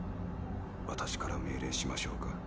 私から命令しましょうか？